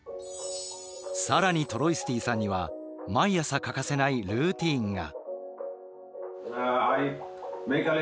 更にトロイスティさんには毎朝欠かせないルーティンが。